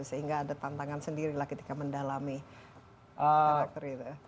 sehingga ada tantangan sendirilah ketika mendalami karakter itu